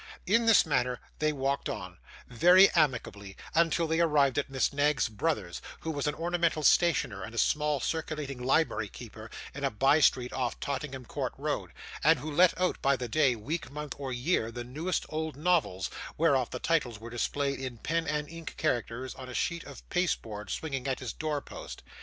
In this manner they walked on, very amicably, until they arrived at Miss Knag's brother's, who was an ornamental stationer and small circulating library keeper, in a by street off Tottenham Court Road; and who let out by the day, week, month, or year, the newest old novels, whereof the titles were displayed in pen and ink characters on a sheet of pasteboard, swinging at his door post.